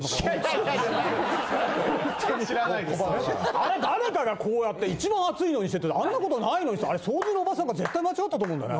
・あれ誰かがこうやって一番熱いのにしててあんなことないのにさあれ掃除のおばさんが絶対間違ったと思うんだよね。